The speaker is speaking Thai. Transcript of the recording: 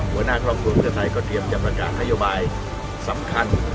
หัวหน้าครอบครัวเพื่อไทยก็เตรียมจะประกาศนโยบายสำคัญ